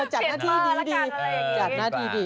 จัดหน้าที่ดีจัดหน้าที่ดี